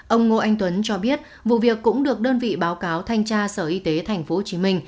ông ngô anh tuấn cho biết vụ việc cũng được đơn vị báo cáo thanh tra sở y tế tp hcm